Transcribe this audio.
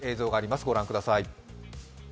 ご覧ください。